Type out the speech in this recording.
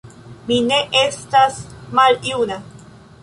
Mi ne estas maljuna